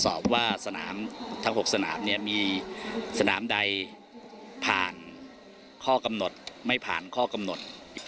สอบว่าสนามทั้ง๖สนามเนี่ยมีสนามใดผ่านข้อกำหนดไม่ผ่านข้อกำหนด